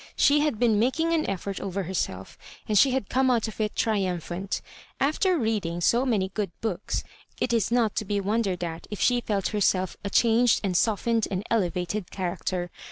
She had been making an effort oyer herself^ and she had come out of it tri umphant; after reading so many good books, it is not to be wondered at if she felt herself a changed and softened and eleyated character.